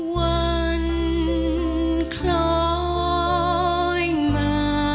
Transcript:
วันคล้อยมา